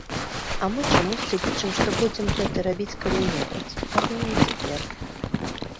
А мы чамусьці лічым, што будзем гэта рабіць калі-небудзь, але не цяпер.